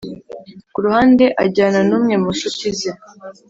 kuruhande ajyana numwe munshuti ze